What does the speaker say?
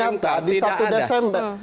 ternyata di satu desember